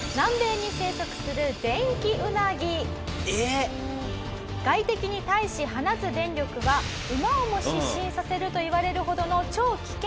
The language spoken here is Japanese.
「えっ！」「外敵に対し放つ電力が馬をも失神させるといわれるほどの超危険生物」